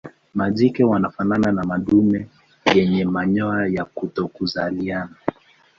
Majike wanafanana na madume yenye manyoya ya kutokuzaliana.